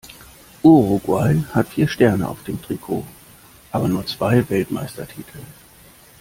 Uruguay hat vier Sterne auf dem Trikot, aber nur zwei Weltmeistertitel.